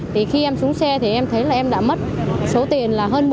thì khi em xuống xe thì em thấy là em đã mất số tiền là hơn một mươi triệu